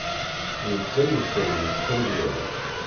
D netta i d tayri-s tamezwarut.